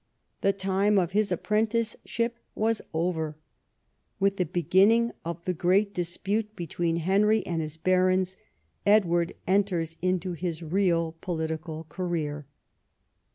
The time of his apprenticeship was over. With the beginning of the great dispute between Henry and his barons, Edward enters into his real political career.